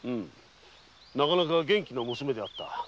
なかなか元気な娘であった。